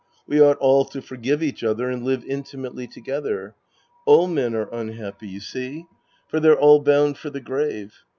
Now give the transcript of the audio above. We ought all to forgive each other and live intimately together. All men are unhappy, you see. For they're all bound for the grave.